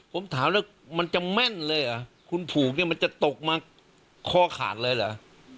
ผมถามแล้วมันจะแม่นเลยเหรอคุณผูกเนี่ยมันจะตกมาคอขาดเลยเหรอ